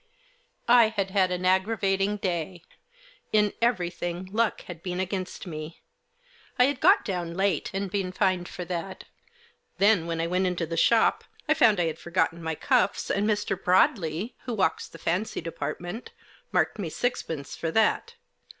I HAD had an aggravating day. In everything luck had been against me. I had got down late, and been fined for that. Then when I went into the shop I found I had forgotten my cuffs, and Mr. Broadley, who walks the fancy department, marked me sixpence for that.